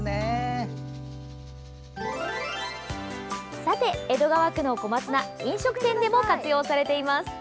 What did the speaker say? さて江戸川区の小松菜飲食店でも活用されています。